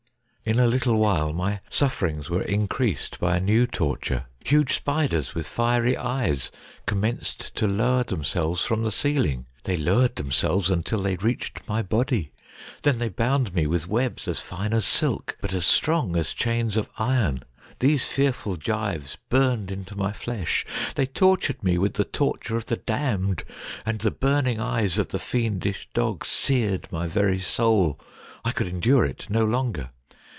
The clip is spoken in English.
In a little while my sufferings were increased by a new torture. Huge spiders with fiery eyes commenced to lower themselves from the ceiling. They lowered themselves until they reached my body ; then they bound me with webs as fine as silk, but as strong as chains of iron. These fearful gyves burned into my flesh, they tortured me with the torture of the damned, and the burning eyes of the fiendish dog seared my very soul. I could endure it no longer.